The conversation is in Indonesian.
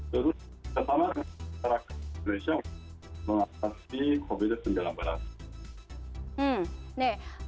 terutama di negara negara indonesia untuk mengatasi covid sembilan belas